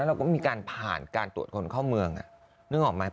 เราก็มีการผ่านการตรวจคนเข้าเมืองนึกออกไหม